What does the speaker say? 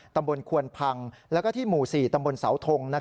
ตำบลควนพังแล้วก็ที่หมู่๔ตำบลเสาทง